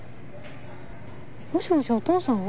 もしもしお父さん？